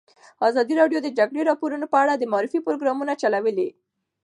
ازادي راډیو د د جګړې راپورونه په اړه د معارفې پروګرامونه چلولي.